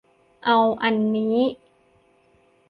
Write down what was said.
เอาอันนี้